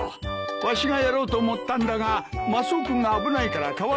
わしがやろうと思ったんだがマスオ君が危ないから代わると言ってくれてな。